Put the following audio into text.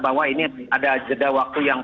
bahwa ini ada jeda waktu yang